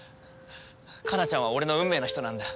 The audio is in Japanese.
加奈ちゃんは俺の運命の人なんだ。